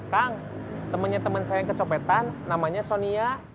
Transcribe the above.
kang temennya temen saya yang kecepetan namanya sonia